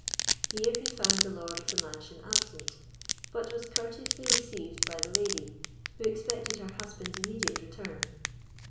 Here he found the lord of the mansion absent, but was courteously received by the lady, who expected her husband's immediate return.